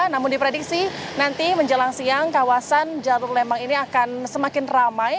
namun diprediksi nanti menjelang siang kawasan jalur lembang ini akan semakin ramai